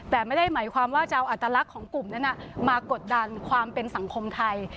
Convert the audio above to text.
แต่ไม่ได้หมายความว่าจะเอาอัตลักษณ์ของกลุ่มนั้นมากดดันความเป็นสังคมไทย